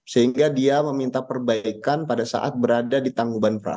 sehingga dia meminta perbaikan pada saat berada di tangguban frans